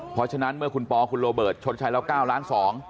เพราะฉะนั้นเมื่อคุณปอคุณโรเบิร์ตชดใช้แล้ว๙ล้าน๒